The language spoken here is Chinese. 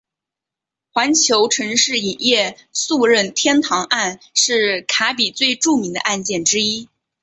环球城市影业诉任天堂案是卡比最著名的案件之一。